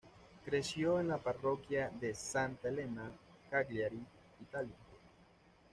Creció en la parroquia de Santa Elena, Cagliari, Italia.